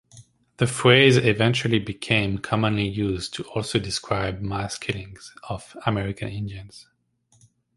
The phrase eventually became commonly used to also describe mass killings of American Indians.